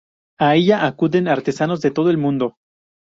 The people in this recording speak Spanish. A ella acuden artesanos de todo el mundo.